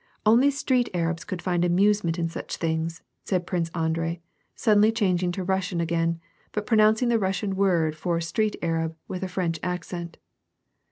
Only street arabs could find amusement in such things," said Prince Andrei, suddenly changing to Russian again, but pronouncing the Russian word for street arab with a Fnmch accent.